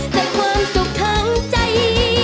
แต่ความสุขทั้งใจ